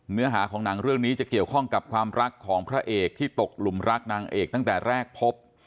เนื้อหาของหนังเรื่องนี้จะเกี่ยวข้องกับความรักของพระเอกที่ตกหลุมรักนางเอกตั้งแต่แรกพบ